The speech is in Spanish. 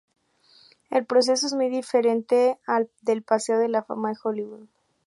El proceso es muy diferente al del Paseo de la Fama de Hollywood.